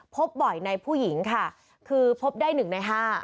พบบ่อยในผู้หญิงค่ะคือพบได้๑ใน๕